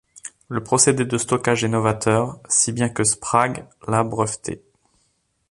Le procédé de stockage est novateur, si bien que Sprague l'a breveté.